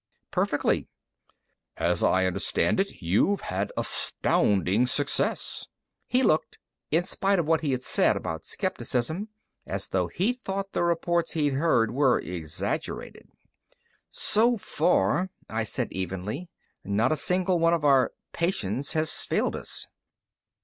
"Perfectly." "As I understand it, you've had astounding success." He looked, in spite of what he had said about skepticism, as though he thought the reports he'd heard were exaggerated. "So far," I said evenly, "not a single one of our 'patients' has failed us."